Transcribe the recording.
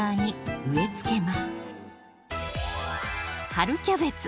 春キャベツ